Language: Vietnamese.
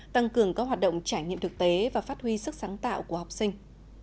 tăng cường các hoạt động trải nghiệm thực tế và phát huy sức sáng tạo của học sinh